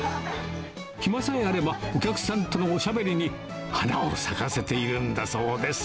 暇さえあれば、お客さんとのおしゃべりに花を咲かせているんだそうです。